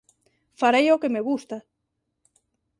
Farei o que me gusta.